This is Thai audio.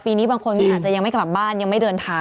นี้บางคนอาจจะยังไม่กลับบ้านยังไม่เดินทาง